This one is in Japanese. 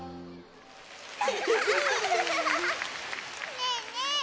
ねえねえ